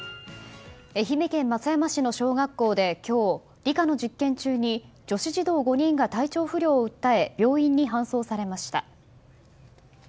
愛媛県松山市の小学校で今日理科の実験中に女子児童５人が体調不良を訴え病院に搬送されました。